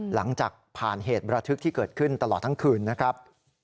หลังจากผ่านเหตุประทึกที่เกิดขึ้นตลอดทั้งคืนนะครับ